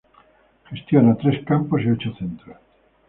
Gestiona tres campos y ocho centros.